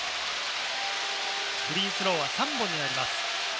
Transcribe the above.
フリースローは３本になります。